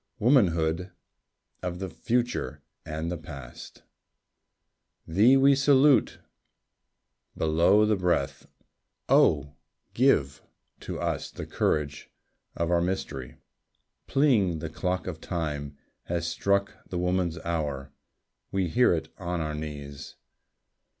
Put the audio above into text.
Womanhood of the future and the past! Thee we salute, below the breath. Oh, give To us the courage of our mystery. ... Pealing, the clock of Time Has struck the Woman's Hour.... We hear it on our knees.